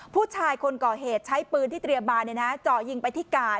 ผู้ชายคนก่อเหตุใช้ปืนที่เตรียมมาเจาะยิงไปที่กาด